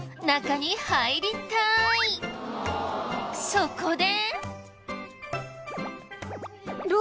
そこで。